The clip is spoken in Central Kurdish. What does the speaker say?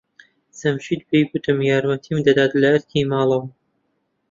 جەمشید پێی گوتم یارمەتیم دەدات لە ئەرکی ماڵەوەم.